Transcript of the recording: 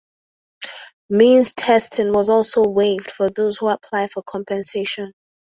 Means testing was also waived for those who apply for compensation.